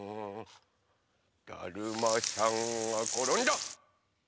だるまさんがころんだ！